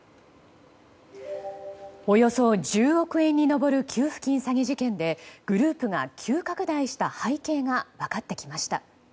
およそ１０億円に上る給付金詐欺事件でグループが急拡大した背景が分かってきました。